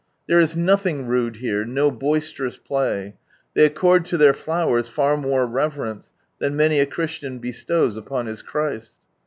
There is nothing rude here, no boisterous ]jlay. They accord lo their flowers far more reverence, than many a Christian bestows upon his Christ.